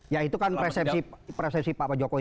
ya itu kan persepsi pak jokowi